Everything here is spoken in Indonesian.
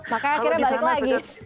makanya akhirnya balik lagi